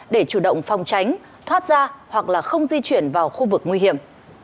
để chủ động phòng tránh thoát ra hoặc là không di chuyển vào khu vực nguy hiểm